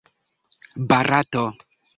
Barato?